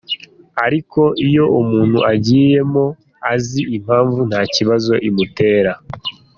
Ariko iyo umuntu agiyemo azi impamvu nta kibazo imutera.